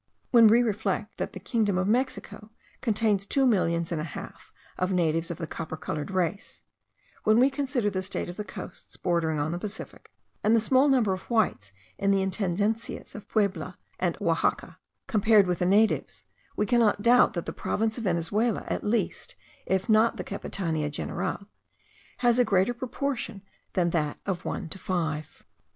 When we reflect that the kingdom of Mexico contains two millions and a half of natives of the copper coloured race; when we consider the state of the coasts bordering on the Pacific, and the small number of whites in the intendencias of Puebla and Oaxaca, compared with the natives, we cannot doubt that the province of Venezuela at least, if not the capitania general, has a greater proportion than that of one to five.